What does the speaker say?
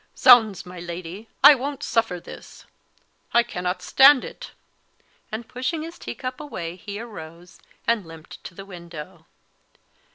Zounds, my Lady, I won't suffer this! I cannot stand it;" and pushing his tea cup away, he arose, and limped to the window.